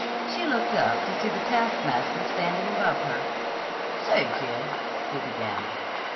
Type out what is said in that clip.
She looked up to see the taskmaster standing above her. "Say, kid," he began.